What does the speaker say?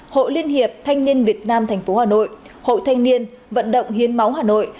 hội liên hiệp thanh niên việt nam tp hà nội hội thanh niên vận động hiến máu hà nội